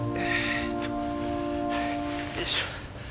よいしょ。